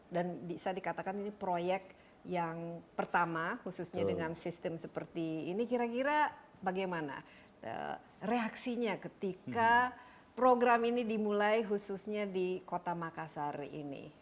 dan bisa dikatakan ini proyek yang pertama khususnya dengan sistem seperti ini kira kira bagaimana reaksinya ketika program ini dimulai khususnya di kota makassar ini